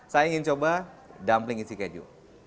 saya ingin coba dumpling isi keju